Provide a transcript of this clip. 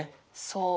そう。